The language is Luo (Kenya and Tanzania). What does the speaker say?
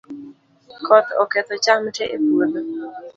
Koth oketho cham tee e puotho